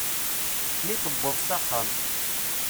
Mi tewweḍ s axxam.